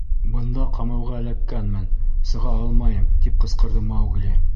— Бында ҡамауға эләккәнмен, сыға алмайым! — тип ҡысҡырҙы Маугли.